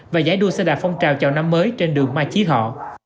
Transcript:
và giải đua xe đạp phong trào chào năm mới trên đường mai chí thọ